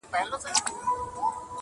په غمونو پسي تل د ښادۍ زور وي-